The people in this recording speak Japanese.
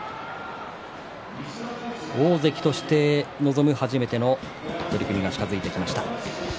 大関として臨む初めての取組が近づいてきました。